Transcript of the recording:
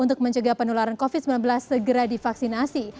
untuk mencegah penularan covid sembilan belas segera divaksinasi